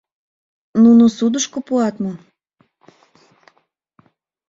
Нуно судышко пуат мо?